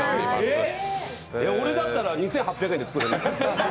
俺だったら２８００円で作るな。